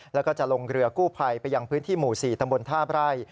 แล้วก็จะลงเรือกู้ภัยไปยังพื้นที่หมู่๔ตำบลท่าไร่